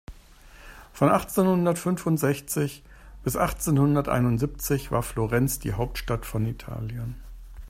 Von achtzehnhundertfünfundsechzig bis achtzehnhunderteinundsiebzig war Florenz die Hauptstadt von Italien.